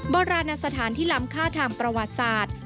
โบราณสถานที่ล้ำค่าทางประวัติศาสตร์